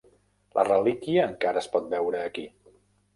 La relíquia encara es pot veure aquí.